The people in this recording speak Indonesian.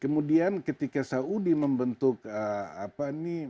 kemudian ketika saudi membentuk koalisi militer islam